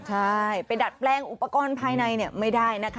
ใช่ไปดัดแปลงอุปกรณ์ภายในไม่ได้นะคะ